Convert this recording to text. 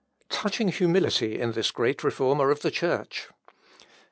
" Touching humility in this great Reformer of the Church!